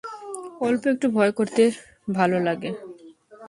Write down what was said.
অল্প একটু ভয় করতে ভালো লাগে।